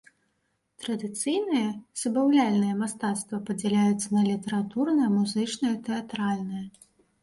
Традыцыйнае забаўляльнае мастацтва падзяляецца на літаратурнае, музычнае і тэатральнае.